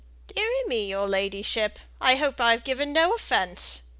"Deary me, your ladyship! I hope I've given no offence!